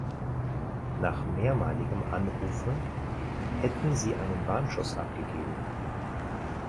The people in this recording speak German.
Nach mehrmaligem Anrufe hätten sie einen Warnschuss abgegeben.